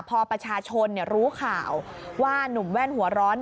พอประชาชนรู้ข่าวว่านุ่มแว่นหัวร้อน